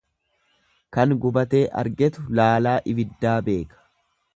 Kan gubatee argetu laalaa ibiddaa beeka.